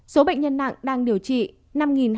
số bệnh nhân nặng đang điều trị